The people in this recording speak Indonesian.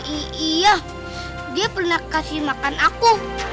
iya dia pernah kasih makan aku